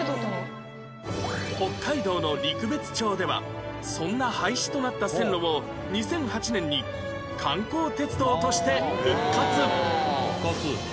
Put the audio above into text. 北海道の陸別町ではそんな廃止となった線路を２００８年に観光鉄道として復活